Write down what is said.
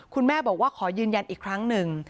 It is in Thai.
คุณแม่บอกว่าขอยืนยันอีกครั้งหนึ่ง